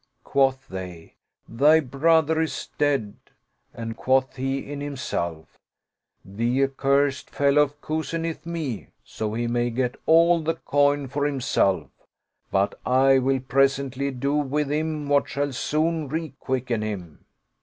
Quoth they, " Thy brother is dead "; and quoth he in him self, " The accursed fellow cozeneth me, so he may get all the coin for himself, but I will presently do with him what shall soon re quicken him."